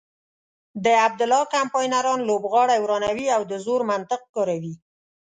د عبدالله کمپاینران لوبغالی ورانوي او د زور منطق کاروي.